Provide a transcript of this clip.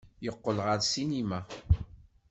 Yeqqel ɣer ssinima.